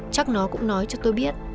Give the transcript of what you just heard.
chắc nó cũng nói cho tôi biết